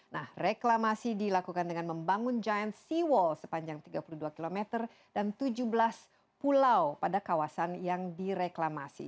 nah reklamasi dilakukan dengan membangun giant sea wall sepanjang tiga puluh dua km dan tujuh belas pulau pada kawasan yang direklamasi